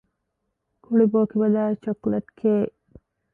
ކުޅި ބޯކިބަލާއި ޗޮކްލެޓްކޭއް